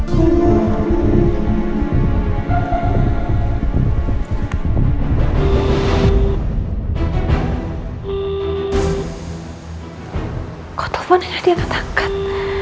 kok teleponnya gak ada yang nangkat